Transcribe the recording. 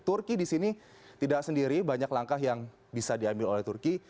turki di sini tidak sendiri banyak langkah yang bisa diambil oleh turki